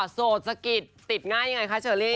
โสดสะกิดติดง่ายยังไงคะเชอรี่